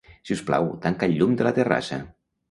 Sisplau, tanca el llum de la terrassa.